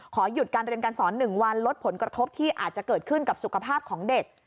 ขอหยุดการเรียนการสอน๑วันลดผลกระทบที่อาจจะเกิดขึ้นกับสุขภาพของเด็ก